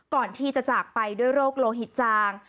ก่อนที่จะจากไปด้วยโรคโลหิตจาง